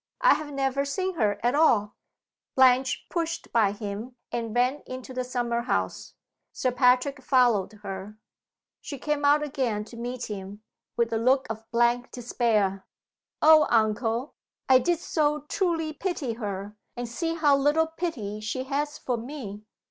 I have never seen her at all." Blanche pushed by him, and ran into the summer house. Sir Patrick followed her. She came out again to meet him, with a look of blank despair. "Oh, uncle! I did so truly pity her! And see how little pity she has for _me!